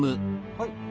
はい。